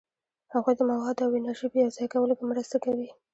هغوی د موادو او انرژي په یوځای کولو کې مرسته کوي.